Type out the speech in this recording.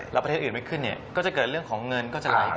แล้วประเทศอื่นไม่ขึ้นเนี่ยก็จะเกิดเรื่องของเงินก็จะไหล